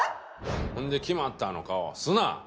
ほんで「決まった」の顔すな！